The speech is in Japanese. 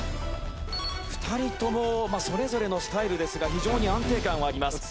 ２人ともそれぞれのスタイルですが非常に安定感はあります。